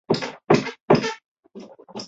稚子竹为禾本科青篱竹属下的一个种。